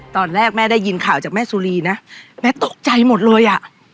ตอนแรกแม่ได้ยินข่าวจากแม่สุรีนะแม่ตกใจหมดเลยอ่ะ